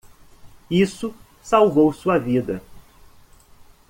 Isso salvou sua vida.